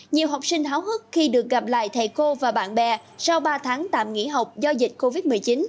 nhiều học sinh háo hức khi được gặp lại thầy cô và bạn bè sau ba tháng tạm nghỉ học do dịch covid một mươi chín